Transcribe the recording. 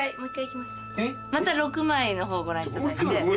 また６枚の方ご覧いただいて。